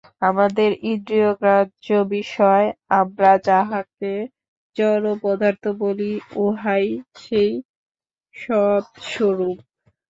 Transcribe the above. আমাদের ইন্দ্রিয়গ্রাহ্য বিষয়, আমরা যাহাকে জড় পদার্থ বলি, উহাও সেই সৎস্বরূপ।